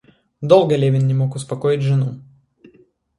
Долго Левин не мог успокоить жену.